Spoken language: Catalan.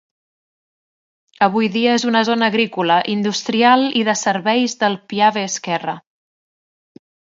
Avui dia és una zona agrícola, industrial i de serveis del Piave esquerra.